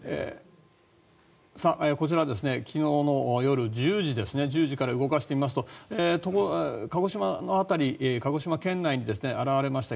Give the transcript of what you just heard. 昨日の夜１０時から動かしてみますと鹿児島の辺り鹿児島県内に現れました